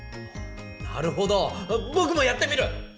なるほどぼくもやってみる！